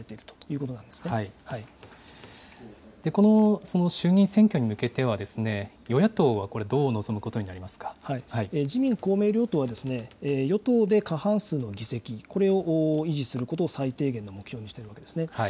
この衆議院選挙に向けては、与野党はどう臨むことになります自民、公明両党は、与党で過半数の議席、これを維持することを最低限の目標としているんですね。